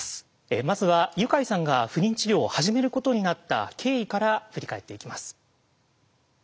まずはユカイさんが不妊治療を始めることになった経緯から振り返っていきます。